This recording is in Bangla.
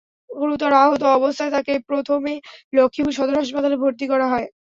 গুরুতর আহত অবস্থায় তাঁকে প্রথমে লক্ষ্মীপুর সদর হাসপাতালে ভর্তি করা হয়।